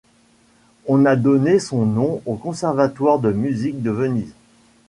On a donné son nom au conservatoire de musique de Venise.